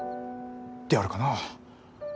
であるかな。